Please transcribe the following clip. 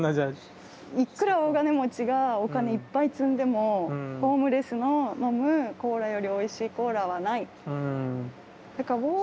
いくら大金持ちがお金いっぱい積んでもホームレスの飲むコーラよりおいしいコーラはない。